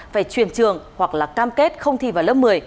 phải truyền trường hoặc là cam kết không thi vào lớp một mươi